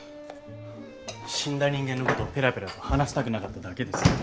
死んだ人間のことをぺらぺらと話したくなかっただけです。